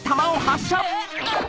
あっ！